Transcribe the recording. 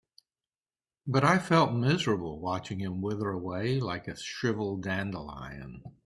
But I felt miserable watching him wither away like a shriveled dandelion.